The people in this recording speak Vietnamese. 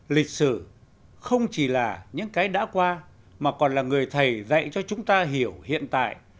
lịch sử không chỉ là những cái đã qua mà còn là người thầy dạy cho chúng ta hiểu hiện tại